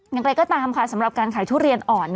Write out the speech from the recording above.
อย่างไรก็ตามค่ะสำหรับการขายทุเรียนอ่อน